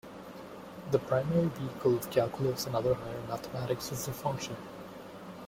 The primary vehicle of calculus and other higher mathematics is the function.